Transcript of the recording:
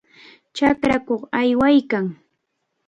Chakrakuq aywaykaa.